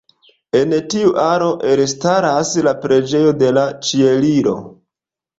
En tiu aro elstaras la Preĝejo de la Ĉieliro.